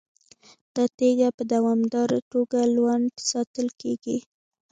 دا تیږه په دوامداره توګه لوند ساتل کیږي.